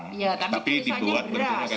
tapi tulisannya beras